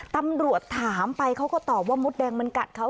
ตำรวจถามไปเขาก็ตอบว่ามดแดงมันกัดเขา